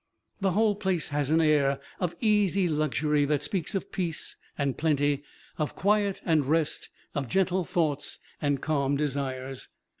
The whole place has an air of easy luxury that speaks of peace and plenty, of quiet and rest, of gentle thoughts and calm desires.